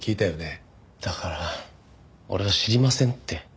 だから俺は知りませんって。